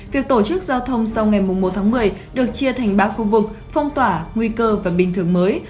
việc tổ chức giao thông sau ngày một tháng một mươi được chia thành ba khu vực phong tỏa nguy cơ và bình thường mới